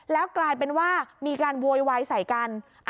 แล้วกลายเป็นว่ามีการโวยวายใส่กัน